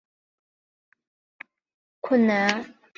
不标注声调会导致在书写时理困难。